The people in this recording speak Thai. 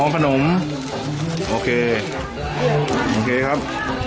ขนมโอเคโอเคครับ